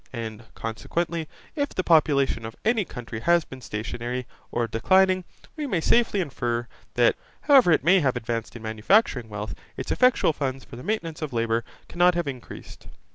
And, consequently, if the population of any country has been stationary, or declining, we may safely infer, that, however it may have advanced in manufacturing wealth, its effectual funds for the maintenance of labour cannot have increased.